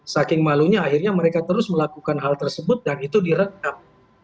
saking malunya akhirnya mereka terus melakukan hal tersebut dan itu direkam